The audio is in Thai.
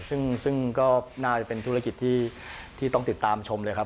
ซึ่งก็น่าจะเป็นธุรกิจที่ต้องติดตามชมเลยครับ